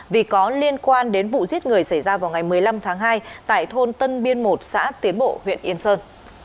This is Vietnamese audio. vì có liên quan đến vụ giết người xảy ra vào ngày một mươi năm tháng hai tại thôn tân biên một xã tiến bộ huyện yên sơn